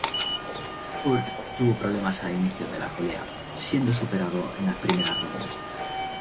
Hurd tuvo problemas al inicio de la pelea, siendo superado en las primeras rondas.